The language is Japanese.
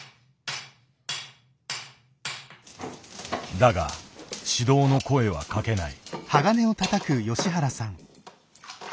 だが指導の声はかけない。